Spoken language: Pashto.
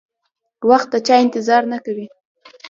وخت د چا انتظار نه کوي.